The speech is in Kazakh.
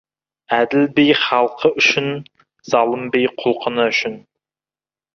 Әділ би халқы үшін, залым би құлқыны үшін.